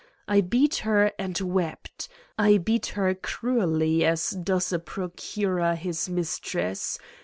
I beat her and wept. I beat her cruelly as does a procurer his mistress.